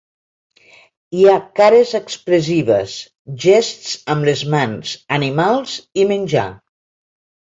Hi ha cares expressives, gests amb les mans, animals i menjar.